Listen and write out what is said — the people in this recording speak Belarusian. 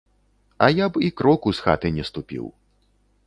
А я б і кроку з хаты не ступіў.